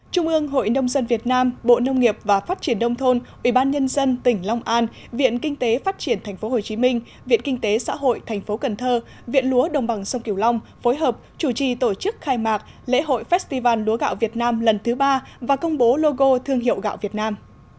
trung ương hội nông dân việt nam bộ nông nghiệp và phát triển đông thôn ủy ban nhân dân tỉnh long an viện kinh tế phát triển tp hcm viện kinh tế xã hội tp cn viện lúa đồng bằng sông kiều long phối hợp chủ trì tổ chức khai mạc lễ hội festival lúa gạo việt nam lần thứ ba và công bố logo thương hiệu gạo việt nam